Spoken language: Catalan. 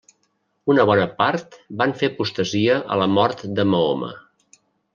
Una bona part van fer apostasia a la mort de Mahoma.